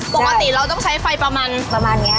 ปกติเราต้องใช้ไฟประมาณประมาณนี้